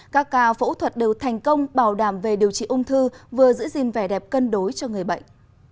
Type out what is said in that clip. các ca phẫu thuật đều thành công bảo đảm về điều trị ung thư vừa giữ gìn vẻ đẹp cân đối cho người bệnh